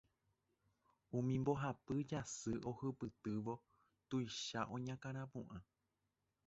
Umi mbohasy jasy ohupytývo tuicha oñakãrapu'ã.